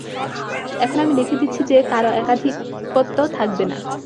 এখন আমি লিখে দিচ্ছি যে, কারও একাধিপত্য থাকবে না।